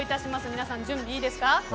皆さん、準備はいいですか？